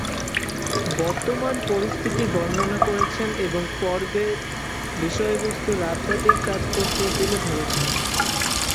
বর্তমান পরিস্থিতি বর্ণনা করেছেন এবং পর্বের বিষয়বস্তুর আধ্যাত্মিক তাৎপর্য তুলে ধরেছেন।